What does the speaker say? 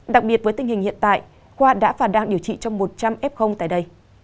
đặc biệt với tình hình hiện tại khoa đã và đang điều trị trong một trăm linh f tại đây